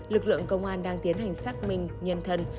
lực lượng công an đang tiến hành xác minh nhân thân